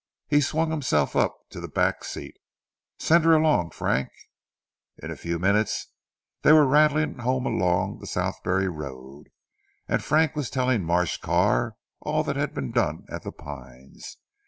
He swung himself up to the back seat, "send her along Frank." In a few minutes they were rattling home along the Southberry road, and Frank was telling Marsh Carr all that had been done at 'The Pines.'